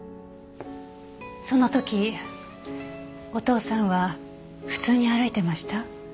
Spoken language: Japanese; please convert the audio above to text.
その時お父さんは普通に歩いてました？